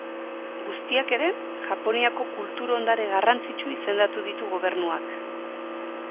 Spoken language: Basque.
Guztiak ere Japoniako Kultur Ondare garrantzitsu izendatu ditu gobernuak.